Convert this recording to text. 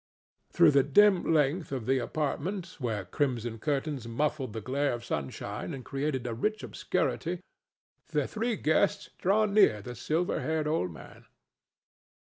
Through the dim length of the apartment, where crimson curtains muffled the glare of sunshine and created a rich obscurity, the three guests drew near the silver haired old man.